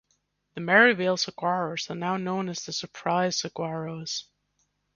The Maryvale Saguaros are now known as the Surprise Saguaros.